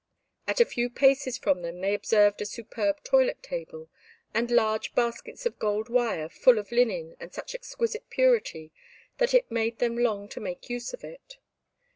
At a few paces from them they observed a superb toilet table, and large baskets of gold wire full of linen of such exquisite purity that it made them long to make use of it.